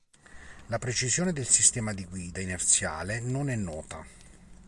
La precisione del sistema di guida inerziale non è nota.